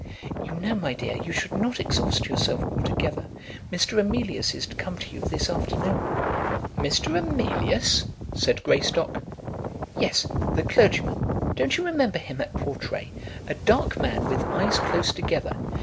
"You know, my dear, you should not exhaust yourself altogether. Mr. Emilius is to come to you this afternoon." "Mr. Emilius!" said Greystock. "Yes; the clergyman. Don't you remember him at Portray? A dark man with eyes close together!